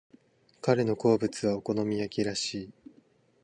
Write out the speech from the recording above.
彼の好物はお好み焼きらしい。